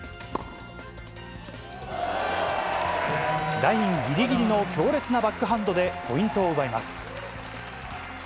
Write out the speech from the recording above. ラインぎりぎりの強烈なバックハンドでポイントを奪います。